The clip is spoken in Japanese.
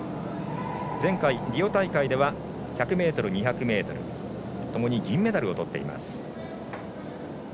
前回リオ大会では１００ｍ、２００ｍともに銀メダルをとっています。